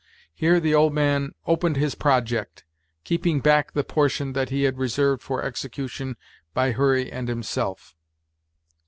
Here the old man opened his project, keeping back the portion that he had reserved for execution by Hurry and himself.